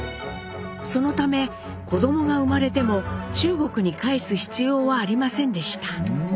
そのため子どもが生まれても中国に返す必要はありませんでした。